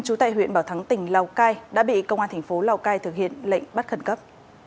chú tại huyện bảo thắng tỉnh lào cai đã bị công an tp lào cai thực hiện lệnh bắt khẩn cấp